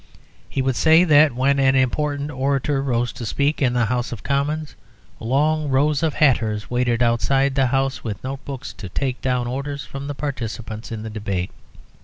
He would say that when an important orator rose to speak in the House of Commons, long rows of hatters waited outside the House with note books to take down orders from the participants in the debate.